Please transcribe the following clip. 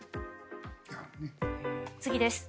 次です。